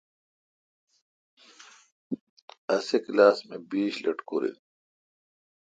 اسی کلاس مہ بیش لٹکور این۔